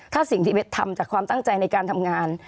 ถ้าสิ่งที่ทำจากความตั้งใจในการทำงาน